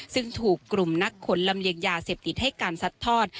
ซึ่งถูกกลุ่มนักขนลำเลียงยาเสพติดให้การซัดทอด